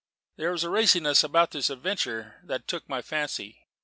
There was a raciness about the adventure that took my fancy.